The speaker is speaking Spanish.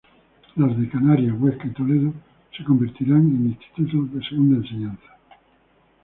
Las de Canarias, Huesca y Toledo se convertirán en institutos de segunda enseñanza".